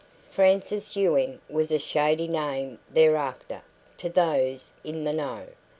Frances Ewing was a shady name thereafter, to those "in the know".